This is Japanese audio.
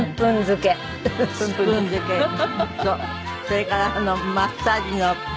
それからマッサージの。